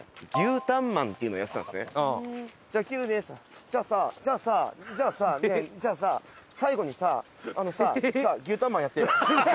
っつったら「じゃあさじゃあさじゃあさねえじゃあさ最後にさあのさあのさ牛タンマンやってよ」。